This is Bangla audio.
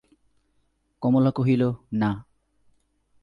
কমলা কহিল, না।